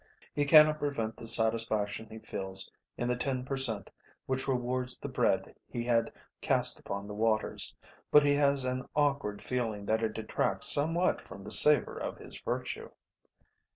He cannot prevent the satisfaction he feels in the ten per cent which rewards the bread he had cast upon the waters, but he has an awkward feeling that it detracts somewhat from the savour of his virtue.